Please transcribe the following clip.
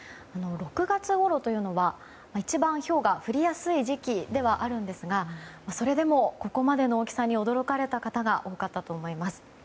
６月ごろというのは一番ひょうが降りやすい時期ではあるんですがそれでも、ここまでの大きさに驚かれた方も多かったと思います。